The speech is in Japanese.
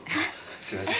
すいません。